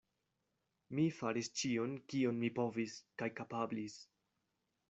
Mi faris ĉion, kion mi povis kaj kapablis.